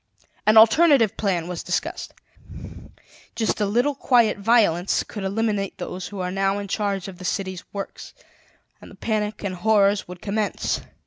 "An alternative plan was discussed: just a little quiet violence could eliminate those who are now in charge of the city's works, and the panic and horrors would commence.